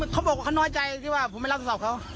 เขาบอกว่าเขาน้อยใจว่าผมไม่รับโทรศัพท์เขา